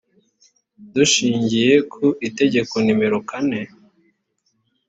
dushingiye ku itegeko nimero kane